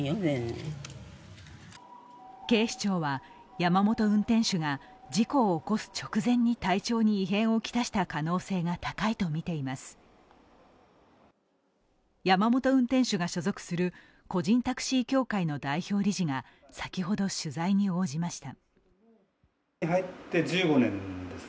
山本運転手の母親は山本運転手が所属する個人タクシー協会の代表理事が先ほど、取材に応じました。